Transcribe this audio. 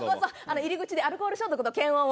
入り口でアルコール消毒と検温を。